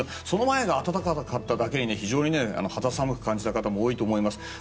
その前が暖かっただけに非常に肌寒く感じた方も多いと思います。